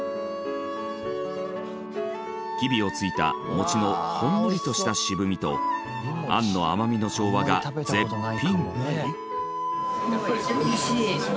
きびをついた餅のほんのりとした渋みと餡の甘みの調和が絶品。